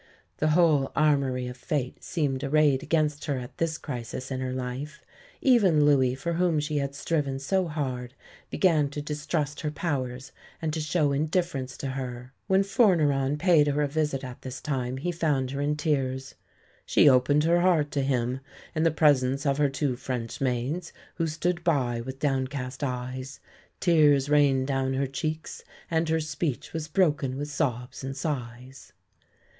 The whole armoury of fate seemed arrayed against her at this crisis in her life; even Louis, for whom she had striven so hard, began to distrust her powers and to show indifference to her. When Forneron paid her a visit at this time he found her in tears. "She opened her heart to him, in the presence of her two French maids, who stood by with downcast eyes. Tears rained down her cheeks; and her speech was broken with sobs and sighs."